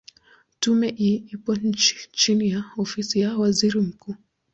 Tume hii ipo chini ya Ofisi ya Waziri Mkuu.